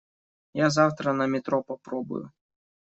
Я завтра на метро попробую.